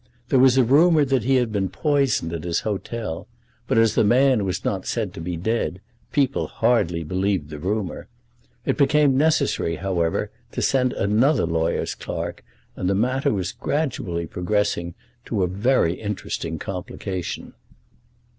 There was a rumour that he had been poisoned at his hotel; but, as the man was not said to be dead, people hardly believed the rumour. It became necessary, however, to send another lawyer's clerk, and the matter was gradually progressing to a very interesting complication.